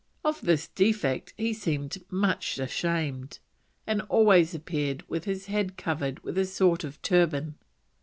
Of this defect he seemed much ashamed, and always appeared with his head covered with a sort of turban.